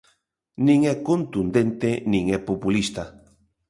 Nin é contundente nin é populista.